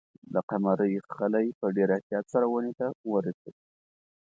د قمرۍ خلی په ډېر احتیاط سره ونې ته ورسېد.